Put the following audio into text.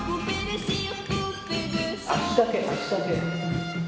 足だけ足だけ。